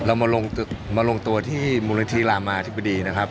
เรามาลงตัวที่มูลนิธิรามาธิบดีนะครับ